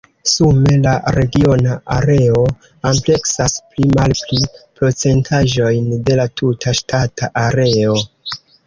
Sume la regiona areo ampleksas pli-malpli procentaĵojn de la tuta ŝtata areo.